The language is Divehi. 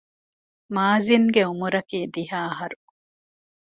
މާޒިންގެ އުމުރަކީ ދިހަ އަހަރު